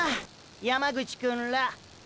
山口くんら。